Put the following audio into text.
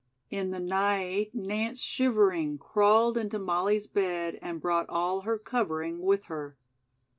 In the night, Nance, shivering, crawled into Molly's bed and brought all her covering with her.